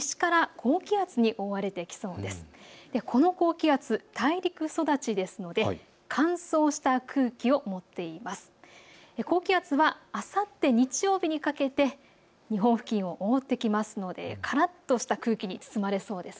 高気圧はあさって日曜日にかけて日本付近を覆ってきますのでからっとした空気に包まれそうです。